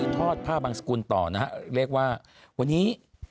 ทอดผ้าบางสกุลต่อนะฮะเรียกว่าวันนี้